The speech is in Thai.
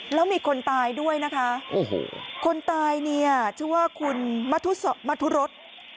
แล้วมีคนตายด้วยนะคะคนตายเนี่ยเชื่อว่าคุณมทุษฎ์รถ